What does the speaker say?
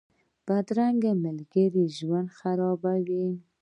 بدرنګه ملګري ژوند خرابوي